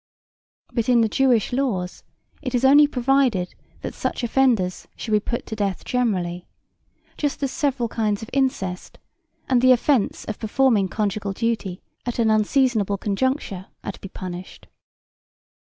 But in the Jewish laws it is only provided that such offenders shall be "put to death" generally, just as several kinds of incest and the offence of performing conjugal duty at an unseasonable conjuncture are to be punished.